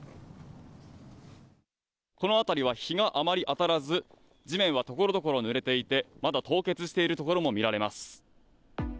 この辺りは日があまり当たらず、地面はところどころぬれていて、まだ凍結している所も見られます。